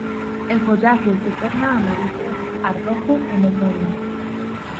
El follaje se torna amarillo a rojo en otoño.